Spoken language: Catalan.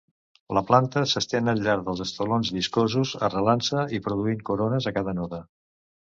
La planta s'estén al llarg dels estolons lliscosos, arrelant-se i produint corones a cada node.